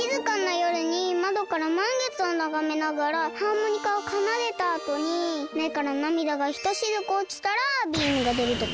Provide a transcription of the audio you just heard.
よるにまどからまんげつをながめながらハーモニカをかなでたあとにめからなみだがひとしずくおちたらビームがでるとか？